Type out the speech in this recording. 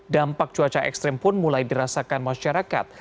dampak cuaca ekstrim pun mulai dirasakan masyarakat